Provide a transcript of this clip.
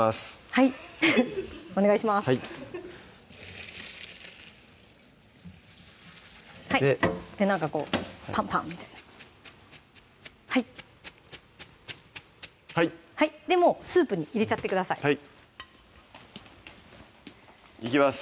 はいお願いしますなんかこうパンパンみたいなはいはいでもうスープに入れちゃってくださいいきます